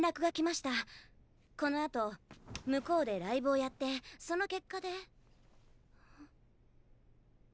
このあと向こうでライブをやってその結果で。